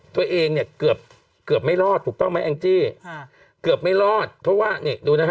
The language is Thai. ตัวเองเกือบไม่รอดถูกต้องไหมแอ็งจี้เกือบไม่รอดเพราะว่าดูนะฮะ